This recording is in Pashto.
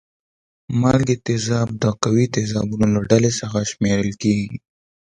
مالګې تیزاب د قوي تیزابونو له ډلې څخه شمیرل کیږي.